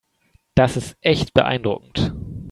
Das ist echt beeindruckend.